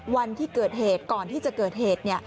วันที่เกิดเหตุก่อนที่จะเกิดเหตุ